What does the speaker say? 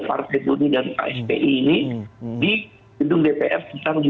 partai buruh dan aspi ini di gedung dpr